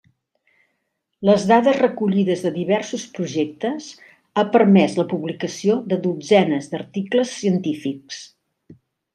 Les dades recollides de diversos projectes ha permès la publicació de dotzenes d'articles científics.